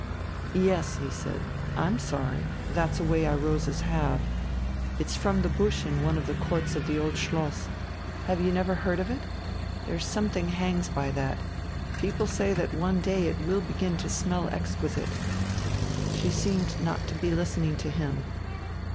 "Yes," he said, "I'm sorry; that's a way our roses have. It's from the bush in one of the courts of the Old Schloss. Have you never heard of it? There's something hangs by that. People say that one day it will begin to smell exquisite." She seemed not to be listening to him.